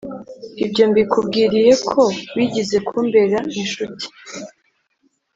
Ibyo mbikubwiriyeko wigize kumbera inshuti